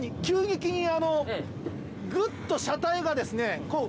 急激にグッと車体がですね